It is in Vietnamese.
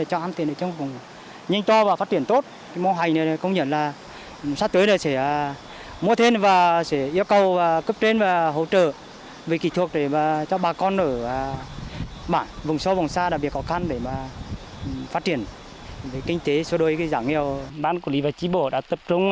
chăn nuôi vịt trời chăn nuôi vịt trời chăn nuôi vịt trời chăn nuôi vịt trời